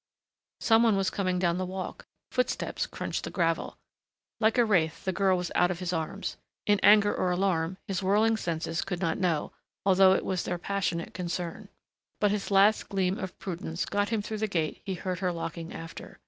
Some one was coming down the walk: Footsteps crunched the gravel. Like a wraith the girl was out of his arms ... in anger or alarm his whirling senses could not know, although it was their passionate concern. But his last gleam of prudence got him through the gate he heard her locking after.